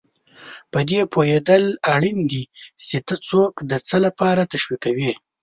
په دې پوهېدل اړین دي چې ته څوک د څه لپاره تشویقوې.